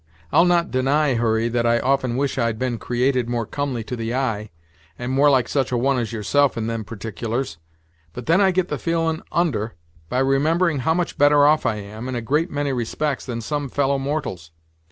I'll not deny, Hurry, that I often wish I'd been created more comely to the eye, and more like such a one as yourself in them particulars; but then I get the feelin' under by remembering how much better off I am, in a great many respects, than some fellow mortals.